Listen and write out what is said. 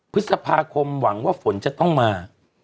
พฤษภาคมหวังว่าฝนจะต้องมา